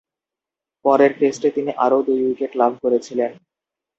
পরের টেস্টে তিনি আরও দুই উইকেট লাভ করেছিলেন।